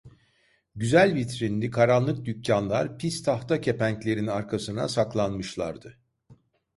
Güzel vitrinli karanlık dükkânlar pis tahta kepenklerin arkasına saklanmışlardı.